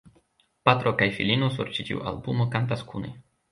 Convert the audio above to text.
Patro kaj filino sur ĉi tiu albumo kantas kune.